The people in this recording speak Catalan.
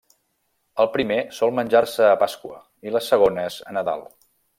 El primer sol menjar-se a Pasqua i les segones a Nadal.